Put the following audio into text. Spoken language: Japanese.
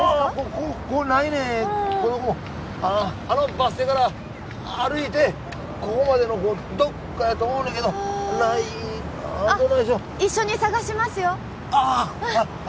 ここないねんあのバス停から歩いてここまでのどっかやと思うねんけどないどないしようあっ一緒に探しますよああ